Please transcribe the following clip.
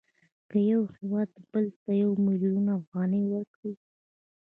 که یو هېواد بل ته یو میلیون افغانۍ ورکړي